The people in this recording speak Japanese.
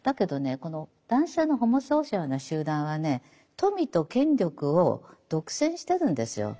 この男性のホモソーシャルな集団はね富と権力を独占してるんですよ。